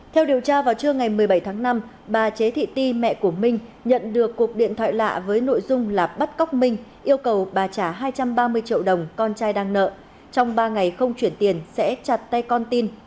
theo điều tra vào trưa ngày một mươi bảy tháng năm bà chế thị ti mẹ của minh nhận được cuộc điện thoại lạ với nội dung là bắt cóc minh yêu cầu bà trả hai trăm ba mươi triệu đồng con trai đang nợ trong ba ngày không chuyển tiền sẽ chặt tay con tin